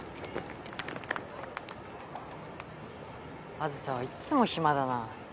あずさはいっつも暇だな。